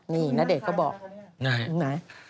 นี่ณเดชน์ก็บอกนี่ไง